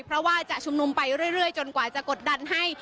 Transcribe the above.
เพราะว่าจะชุมนุมไปเรื่อยจนกว่าจะกดดันให้